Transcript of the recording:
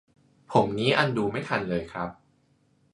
ผมนี้อันดูไม่ทันเลยครับ